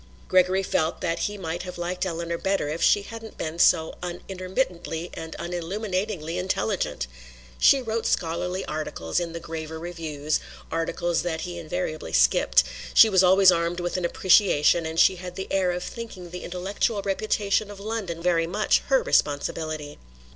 Gregory felt that he might have liked Eleanor better if she hadn't been so unintermittently and unilluminatingly intelligent. She wrote scholarly articles in the graver reviews articles that he invariably skipped she was always armed with an appreciation and she had the air of thinking the intellectual reputation of London very much her responsibility.